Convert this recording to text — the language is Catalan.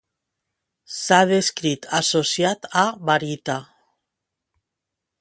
S'ha descrit associat a barita.